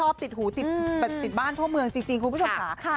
พี่ผู้ชมเพลงไหนก็ชอบติดหูติดบ้านทั่วเมืองจริงคุณผู้ชมค่ะ